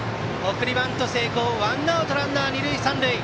送りバント成功ワンアウトランナー、二塁三塁。